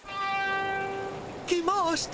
来ました！